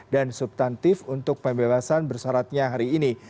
dan subtantif untuk pembebasan bersaratnya hari ini